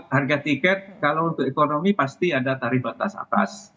harga tiket kalau untuk ekonomi pasti ada tarif batas atas